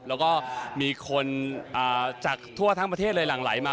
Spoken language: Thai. แล้วก็มีคนจากทั่วทั้งประเทศเลยหลั่งไหลมา